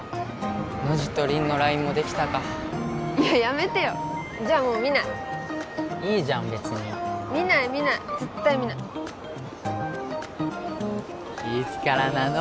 ノジと凛のラインもできたかやめてよじゃあもう見ないいいじゃん別に見ない見ない絶対見ないいつからなの？